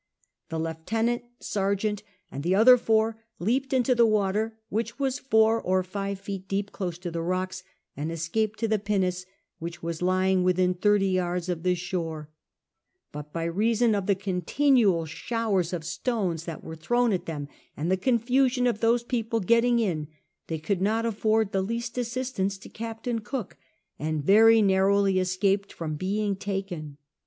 The lieutenant, sergeant, and the other four leaped into the water, which was four or five feet deep close tf) the rocks, and escjiiKid to the pinnace, which was lying within thirty yards of the shore ; but by reason of the continual showers of stones that were thrown at them and the confusion of those people getting in, they could not afford the least assistance to Captain Cook, and very narrowly escaped from being taken.